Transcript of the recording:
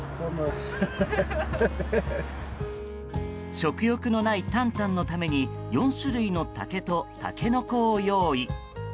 食欲のないタンタンのために４種類の竹とタケノコを用意。